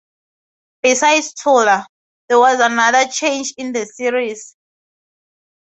Besides Toler, there was another change in the series.